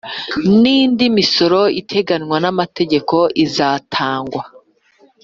n indi misoro iteganywa n amategeko izatangwa